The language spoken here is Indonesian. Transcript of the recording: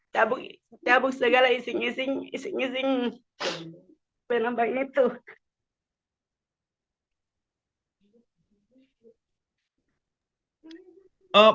cabut segala ising ising penambangan itu